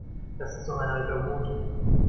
Das ist doch ein alter Hut.